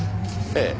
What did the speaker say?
ええ。